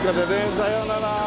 さようなら。